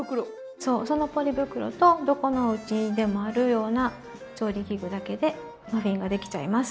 そうそのポリ袋とどこのおうちにでもあるような調理器具だけでマフィンができちゃいます。